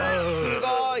すごい！